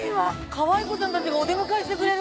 かわい子ちゃんたちがお出迎えしてくれる。